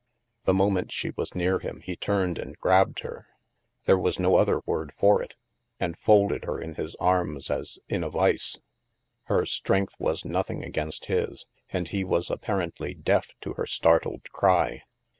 The moment she was near him, he turned and grabbed her — there was no other word for it — and folded her in his arms as in a vise. Her strength was nothing against his, and he was ap ' parently deaf to her startled cry.